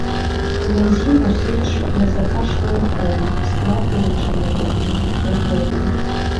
На зіму сыч назапашвае корм, складваючы яго ў дупло дрэва.